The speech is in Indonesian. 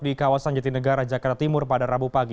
di kawasan jatinegara jakarta timur pada rabu pagi